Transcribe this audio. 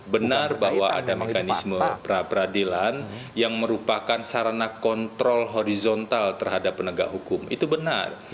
benar bahwa ada mekanisme pra peradilan yang merupakan sarana kontrol horizontal terhadap penegak hukum itu benar